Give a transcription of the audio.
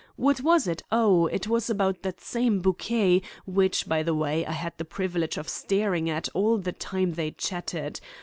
What was it? Oh, it was about that same bouquet, which, by the way, I had the privilege of staring at all the time they chatted.